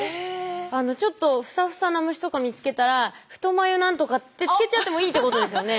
ちょっとふさふさな虫とか見つけたらフトマユ何とかってつけちゃってもいいってことですよね。